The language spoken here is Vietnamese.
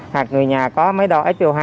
hoặc người nhà có máy đo f hai